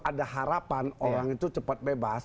ada harapan orang itu cepat bebas